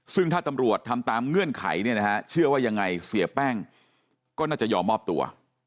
ซึ่งถ้าตำรวจทำตามเงื่อนไขเนี่ยนะฮะเชื่อว่ายังไงเสียแป้งก็น่าจะยอมมอบตัว